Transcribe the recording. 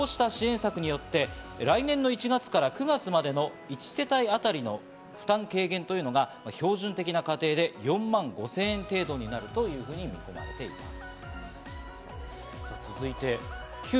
こうした支援策によって来年の１月から９月までの１世帯あたりの負担軽減というのが標準的な家庭で４万５０００円程度になるというふうに見られています。